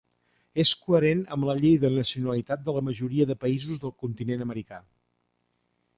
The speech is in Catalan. És coherent amb la llei de nacionalitat de la majoria de països del continent americà.